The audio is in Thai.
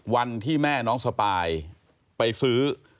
วันที่แม่น้องสปายไปซื้อ